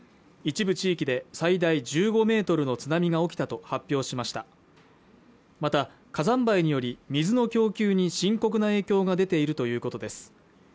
一部地域で最大１５メートルの津波が起きたと発表しましたまた火山灰により水の供給に深刻な影響が出ているということです